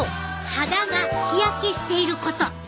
肌が日焼けしていること！